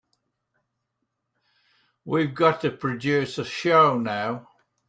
We've got to produce a show now.